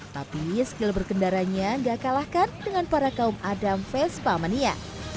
tapi skill berkendaranya gak kalahkan dengan para kaum adam vespa mania